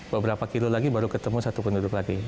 beberapa kilo lagi baru ketemu satu penduduk lagi